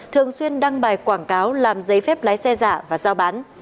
thường xuyên đăng bài quảng cáo làm giấy phép lái xe giả và giao bán